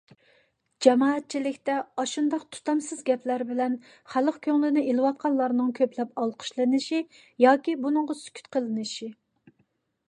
جامائەتچىلىكتە ئاشۇنداق تۇتامسىز گەپلەر بىلەن خەلق كۆڭلىنى ئېلىۋاتقانلارنىڭ كۆپلەپ ئالقىشلىنىشى ياكى بۇنىڭغا سۈكۈت قىلىنىشى.